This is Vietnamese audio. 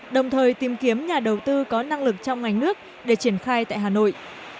đồng thời tìm kiếm nhà đầu tư có năng lực trong ngành nước để triển khai tại hà nội